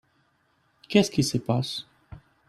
Qu'est-ce qui se passe ?